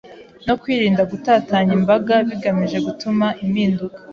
no kwirinda gutatanya imbaraga bigamije gutuma impinduka